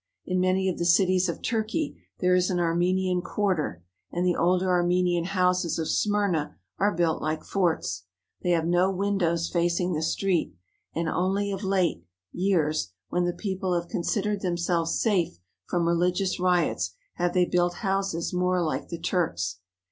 In many of the cities of Turkey there is an Armenian quarter, and the older Armenian houses of Smyrna are built like forts. They have no windows facing the street, and only of late years, when the people have considered themselves safe from religious riots, have they built houses more like the Turks.